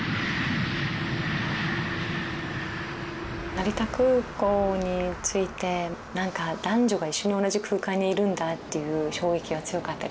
成田空港に着いて男女が一緒に同じ空間にいるんだっていう衝撃が強かったです。